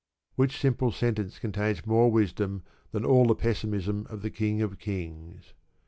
Which simple sentence contains more wisdom than all the pessimism of the King of kings.